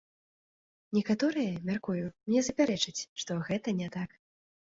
Некаторыя, мяркую, мне запярэчаць, што гэта не так.